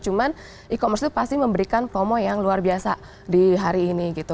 cuma e commerce itu pasti memberikan promo yang luar biasa di hari ini gitu